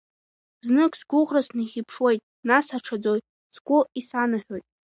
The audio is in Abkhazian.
Зных сгәыӷра снахьыԥшуеит, нас аҽаӡоит, сгәы исанаҳәоит…